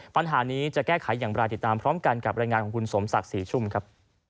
ปัญหานี้จะแก้ไขอย่างไรติดตามพร้อมกันกับรายงานของคุณสมศักดิ์ศรีชุ่มครับ